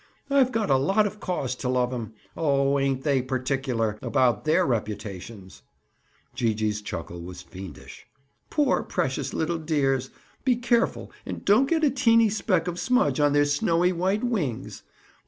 "I've got a lot of cause to love 'em. Oh, ain't they particular about their reputations!" Gee gee's chuckle was fiendish. "Poor, precious little dears! Be careful and don't get a teeny speck of smudge on their snowy white wings!